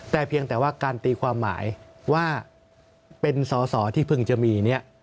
แต่เพียงแต่ว่าการตีความหมายว่าเป็นสอสอที่เพิ่งจะมีเนี่ย